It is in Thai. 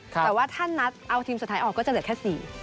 แต่ว่าถ้านัดเอาทีมสุดท้ายออกก็จะเหลือแค่๔